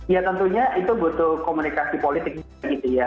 ya tentunya itu butuh komunikasi politik gitu ya